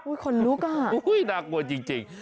อุ้ยขนลุกอ่ะอุ้ยน่ากลัวจริงจริง